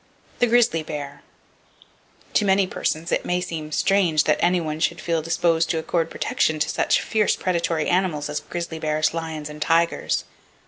The Grizzly Bear. —To many persons it may seem strange that anyone should feel disposed to accord protection to such fierce predatory animals as grizzly bears, lions and tigers.